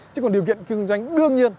chứ còn điều kiện kinh doanh đương nhiên